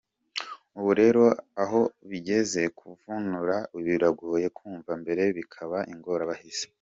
Ubu rero aho bigeze, kuvunura biragoye, kujya mbere bikaba ingorabahizi.